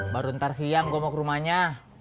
baru ntar siang gue mau ke rumahnya